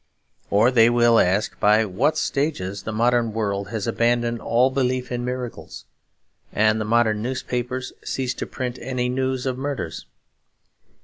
Or they will ask by what stages the modern world has abandoned all belief in miracles; and the modern newspapers ceased to print any news of murders.